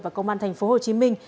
và công an thành phố hồ chí minh